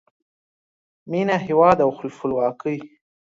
مینه، هیواد او خپلواکۍ